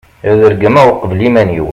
ad regmeɣ uqbel iman-iw